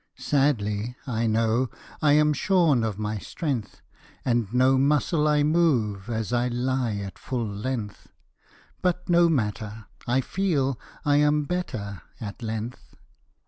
Sadly, I know I am shorn of my strength, And no muscle I move As I lie at full length But no matter! I feel I am better at length.